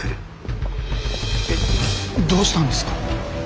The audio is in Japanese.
どうしたんですか？